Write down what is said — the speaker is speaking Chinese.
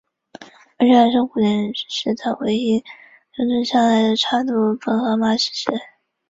而且还是古典时代唯一留存下来的插图本荷马史诗。